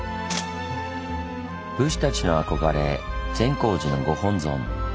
武士たちの憧れ善光寺のご本尊。